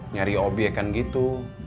nyari objekan gitu